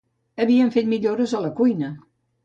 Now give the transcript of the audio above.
Havien fet millores a la cuina.